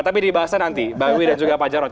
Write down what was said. tapi dibahasnya nanti mbak wiwi dan juga pak jarod